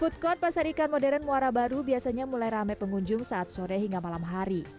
food court pasar ikan modern muara baru biasanya mulai ramai pengunjung saat sore hingga malam hari